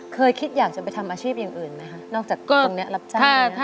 เคยคิดอยากจะไปทำอาชีพอย่างอื่นไหมคะนอกจากตรงนี้รับจ้าง